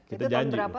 itu tahun berapa